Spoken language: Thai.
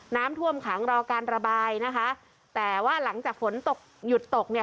น้ำท่วมขังรอการระบายนะคะแต่ว่าหลังจากฝนตกหยุดตกเนี่ย